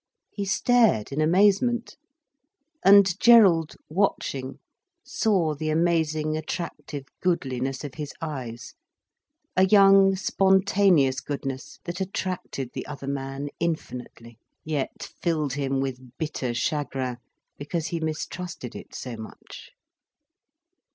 He stared in amazement. And Gerald, watching, saw the amazing attractive goodliness of his eyes, a young, spontaneous goodness that attracted the other man infinitely, yet filled him with bitter chagrin, because he mistrusted it so much.